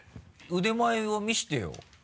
腕前を見せてよ。